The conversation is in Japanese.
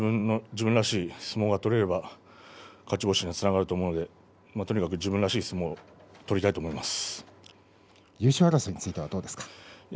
自分らしい相撲が取れれば勝ち星につながると思うので自分らしい相撲を取りたいと思います。